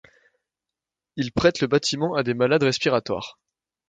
Il prête le bâtiment à des malades respiratoires.